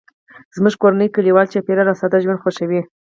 زموږ کورنۍ کلیوالي چاپیریال او ساده ژوند خوښوي